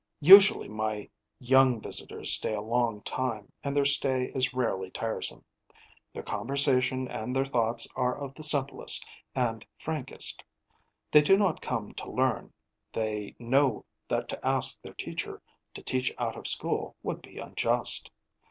Usually my young visitors stay a long time, and their stay is rarely tiresome. Their conversation and their thoughts are of the simplest and frankest. They do not come to learn: they know that to ask their teacher to teach out of school would be unjust.